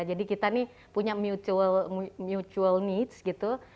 jadi kita nih punya mutual needs gitu